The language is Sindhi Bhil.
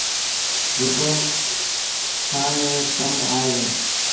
جيڪو کآڻ ري ڪم آئي دو۔